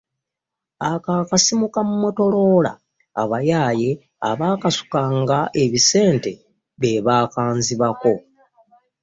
Ako akasimu ka Motorola abayaaye, abaakasukanga ebisente, be baakanzibako.